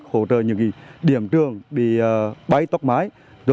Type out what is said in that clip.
hỗ trợ những điểm trường bị bái tốc máy